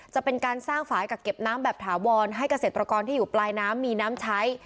จะเป็นการสร้างฝ่ายกักเก็บน้ำแบบถาวรให้เกษตรกรที่อยู่ปลายน้ำมีน้ำใช้